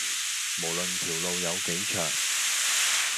無論條路有幾長